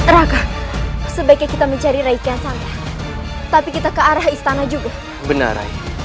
raka sebaiknya kita mencari rakyat tapi kita ke arah istana juga benar